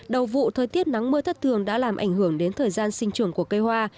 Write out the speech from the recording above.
đầu vụ thời tiết nắng mưa thất thường đã làm ảnh hưởng đến thời gian sinh trường của cây hoa